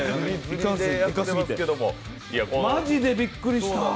マジでびっくりした！